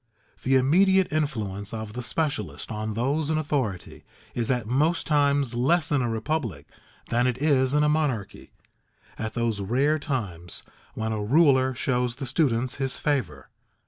The immediate influence of the specialist on those in authority is at most times less in a republic than it is in a monarchy, at those rare times when a ruler shows the students his favor.